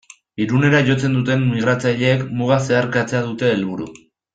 Irunera jotzen duten migratzaileek muga zeharkatzea dute helburu.